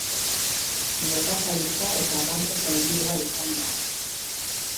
Nekazaritza eta Arrantza sailburua izan da.